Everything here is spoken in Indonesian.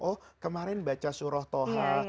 oh kemarin baca surah toha